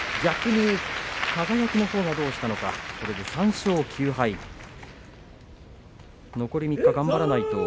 輝のほうがどうしたのか３勝９敗です。